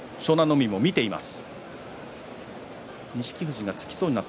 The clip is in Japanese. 海も見ています。